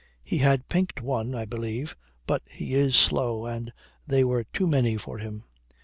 He had pinked one, I believe, but he is slow, and they were too many for him.